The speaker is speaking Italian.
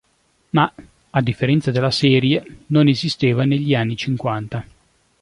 Ma, a differenza della serie, non esisteva negli anni cinquanta.